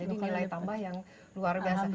ini nilai tambah yang luar biasa